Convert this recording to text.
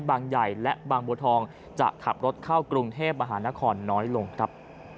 ใหญ่และบางบัวทองจะขับรถเข้ากรุงเทพมหานครน้อยลงครับ